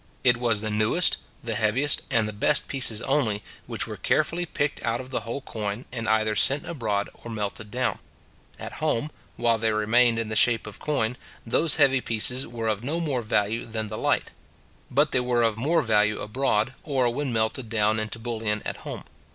It was the newest, the heaviest, and the best pieces only, which were carefully picked out of the whole coin, and either sent abroad or melted down. At home, and while they remained in the shape of coin, those heavy pieces were of no more value than the light; but they were of more value abroad, or when melted down into bullion at home.